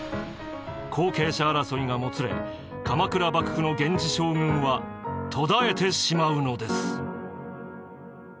後継者争いがもつれ鎌倉幕府の源氏将軍は途絶えてしまうのです。